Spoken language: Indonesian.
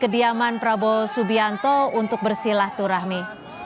kediaman prabowo subianto untuk bersilah turahmi